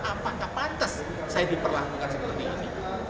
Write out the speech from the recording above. apakah pantas saya diperlakukan seperti ini